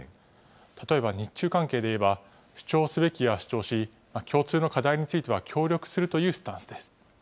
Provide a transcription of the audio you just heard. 例えば日中関係でいえば、主張すべきは主張し、共通の課題については協力するというスタンスです。